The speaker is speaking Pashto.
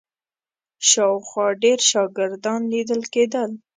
شاوخوا ډېر شاګردان لیدل کېدل.